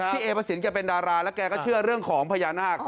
เอพระสินแกเป็นดาราแล้วแกก็เชื่อเรื่องของพญานาค